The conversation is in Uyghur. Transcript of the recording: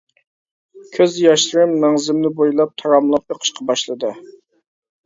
كۆز ياشلىرىم مەڭزىمنى بويلاپ تاراملاپ ئېقىشقا باشلىدى.